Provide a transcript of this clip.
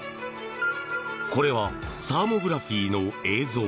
これはサーモグラフィーの映像。